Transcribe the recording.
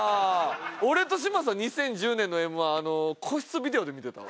俺と嶋佐２０１０年の『Ｍ−１』個室ビデオで見てたわ。